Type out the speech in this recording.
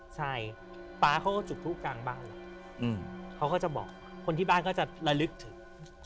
ใช่ป๊าก็จะตรูปทุกครั้งบ้านแล้วเค้าก็จะบอกคนที่บ้านก็จะระลึกถึง